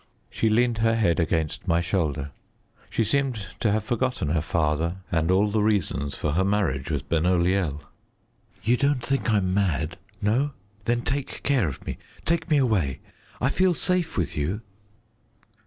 She leaned her head against my shoulder; she seemed to have forgotten her father and all the reasons for her marriage with Benoliel. "You don't think I'm mad? No? Then take care of me; take me away; I feel safe with you."